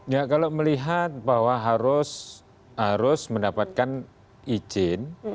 ya kalau melihat bahwa harus mendapatkan izin